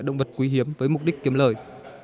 động vật quý hiếm với mục đích kiếm lời